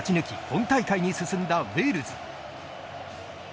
本大会に進んだウェールズ。